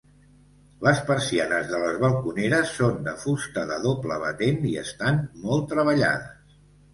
Les persianes de les balconeres són de fusta de doble batent i estan molt treballades.